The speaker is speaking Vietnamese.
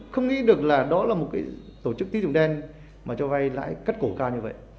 không nghĩ được là đó là một cái tổ chức tín dụng đen mà cho vay lãi cắt cổ cao như vậy